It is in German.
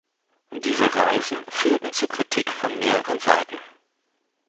Diese Reisen führten zu Kritik von mehreren Seiten.